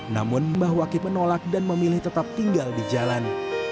namun mbah wakib menolak dan memilih tetap tinggal di jalan